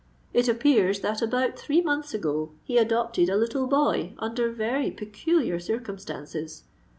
It appears that about three months ago he adopted a little boy under very peculiar circumstances.